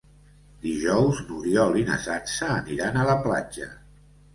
Dijous n'Oriol i na Sança aniran a la platja.